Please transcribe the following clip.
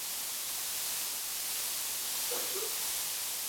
Pokud o nich nebudeme hlasovat, neodložíme je na příští zasedání.